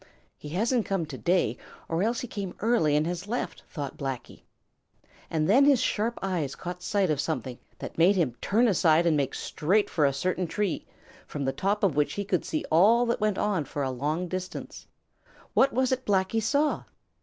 "He hasn't come to day, or else he came early and has left," thought Blacky. And then his sharp eyes caught sight of something that made him turn aside and make straight for a certain tree, from the top of which he could see all that went on for a long distance. What was it Blacky saw?